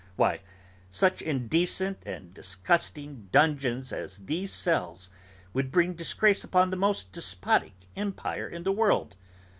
Why, such indecent and disgusting dungeons as these cells, would bring disgrace upon the most despotic empire in the world!